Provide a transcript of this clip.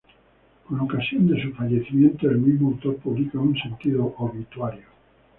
Con ocasión de su fallecimiento el mismo autor publica un sentido obituario.